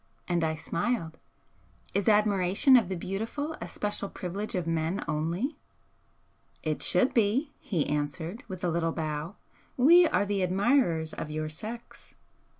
And I smiled. "Is admiration of the beautiful a special privilege of men only?" "It should be," he answered, with a little bow "We are the admirers of your sex."